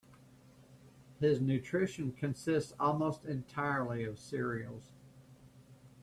His nutrition consisted almost entirely of cereals.